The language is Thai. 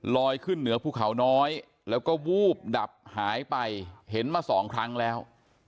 ขึ้นเหนือภูเขาน้อยแล้วก็วูบดับหายไปเห็นมาสองครั้งแล้ว